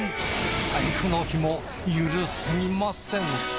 財布のひも緩すぎませんか？